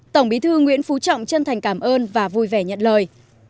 tổng bí thư nguyễn phú trọng chân thành cảm ơn và vui vẻ nhận lời